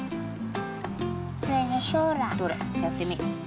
どれやってみよう。